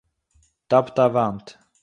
טאַפּט אַ וואַנט